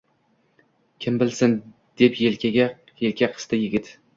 — Kim bilsin, — deb yelka qisdi yigit.